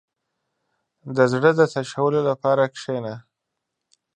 • د زړۀ د تشولو لپاره کښېنه.